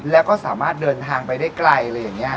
แล้วก็สามารถเดินทางไปได้ไกล